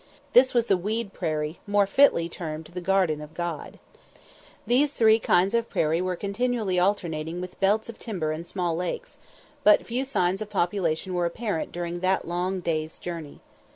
This was the weed prairie, more fitly termed "the Garden of God." These three kinds of prairie were continually alternating with belts of timber and small lakes; but few signs of population were apparent during that long day's journey.